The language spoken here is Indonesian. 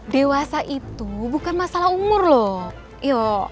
dewasa itu bukan masalah umur loh